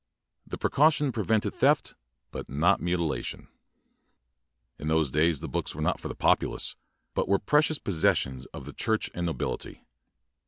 The precaution prevented theft but not mutilation. In those days books were not for the populace, but were precious posses sions of the church and nobility.